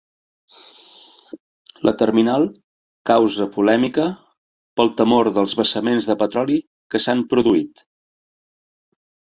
La terminal causa polèmica pel temor dels vessaments de petroli que s'han produït.